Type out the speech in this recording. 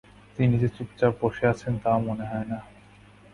তিনি যে চুপচাপ বসে আছেন তাও মনে হয় না।